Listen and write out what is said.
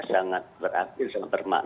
sangat beraktif sangat bermakna